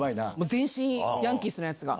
全身ヤンキースのやつが。